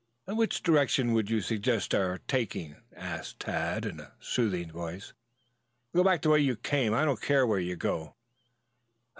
"Which direction would you suggest our taking?" asked Tad in a soothing voice. "Go back the way you came. I don't care where you go."